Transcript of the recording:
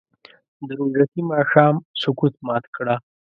د روژتي ماښام سکوت مات کړه